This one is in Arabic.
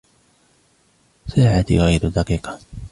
ساعتي غير دقيقة.